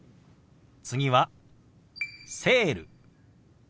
次は「セール」。